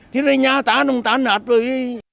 thì đây nhà ta đúng ta nạt rồi